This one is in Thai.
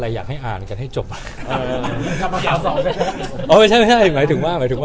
เอาหลักฐาน